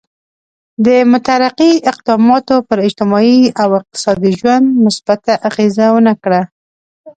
دې مترقي اقداماتو پر اجتماعي او اقتصادي ژوند مثبته اغېزه ونه کړه.